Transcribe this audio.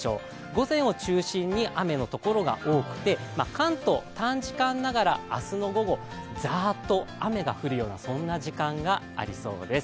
午前を中心に雨のところが多くて、関東、短時間ながら明日の午後ざっと雨が降るようなそんな時間がありそうです。